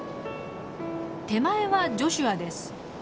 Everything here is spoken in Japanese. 手前はジョシュアです。